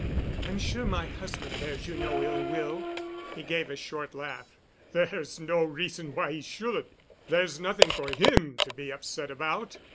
"I'm sure my husband bears you no ill will." He gave a short laugh. "There's no reason why he should. There's nothing for him to be upset about.